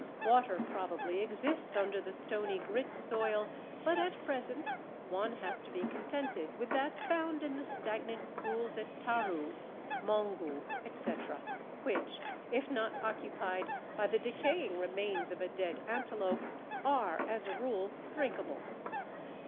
Water probably exists under the stony grit soil, but at present one has to be contented with that found in the stagnant pools at Taru, Maungu, etc., which, if not occupied by the decaying remains of a dead antelope, are, as a rule, drinkable.